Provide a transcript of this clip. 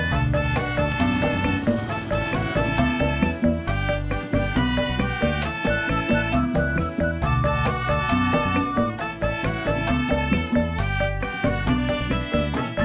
hayang belum sah